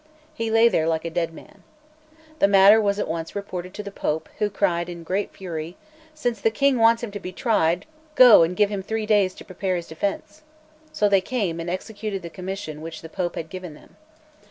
He lay there like a dead man. The matter was at once reported to the Pope, who cried in a great fury: "Since the King wants him to be tried, go and give him three days to prepare his defence!" So they came, and executed the commission which the Pope had given them.